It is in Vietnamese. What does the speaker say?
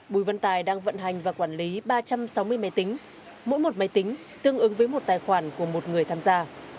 bùi văn tài đang vận hành và quản lý ba trăm sáu mươi máy tính mỗi một máy tính tương ứng với một tài khoản của một người tham gia